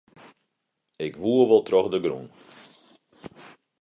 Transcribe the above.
Ik woe wol troch de grûn.